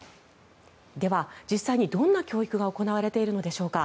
では、実際にどんな教育が行われているのでしょうか。